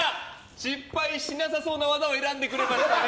失敗しなさそうな技を選んでくれましたね。